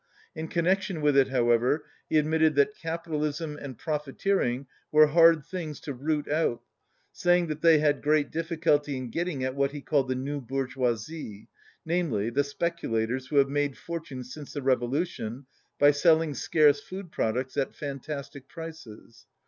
In connection with it, however, he admitted that capitalism and profiteering were hard things to root out, saying that they had great difficulty in getting at what he called "the new bourgeoisie," namely the speculators who have made fortunes since the revolution by selling scarce food products at fantastic prices.